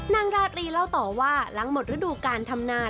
นางราตรีเล่าต่อว่าหลังหมดฤดูการทำนา